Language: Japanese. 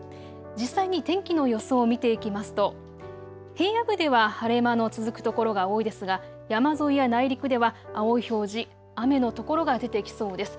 実際に天気の予想を見ていきますと平野部では晴れ間の続く所が多いですが山沿いや内陸では青い表示、雨の所が出てきそうです。